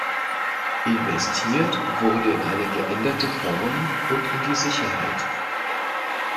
Investiert wurde in eine geänderte Form und in die Sicherheit.